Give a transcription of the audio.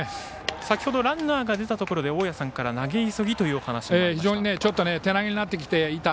先ほどランナーが出たところで大矢さんから投げ急ぎというお話がありました。